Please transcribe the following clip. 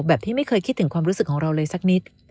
แบบที่ไม่เคยคิดถึงความรู้สึกของเราเลยสักนิด